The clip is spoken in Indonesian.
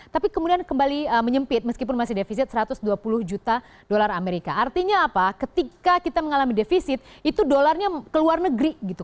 tapi kemudian kembali menyempit meskipun masih defisit satu ratus dua puluh juta dolar amerika artinya apa ketika kita mengalami defisit itu dolarnya ke luar negeri gitu